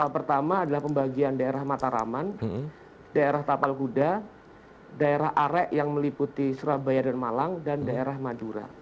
pertama adalah pembagian daerah mataraman daerah tapal kuda daerah arek yang meliputi surabaya dan malang dan daerah madura